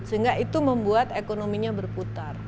sehingga itu membuat ekonominya berputar